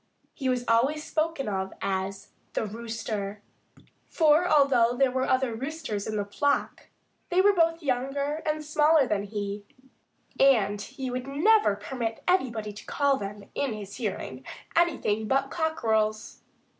He was always spoken of as "the Rooster." For although there were other roosters in the flock, they were both younger and smaller than he, and he would never permit anybody to call them in his hearing anything but cockerels.